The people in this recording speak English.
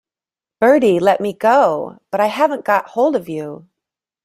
'Bertie — let me go!' 'But I haven't got hold of you.'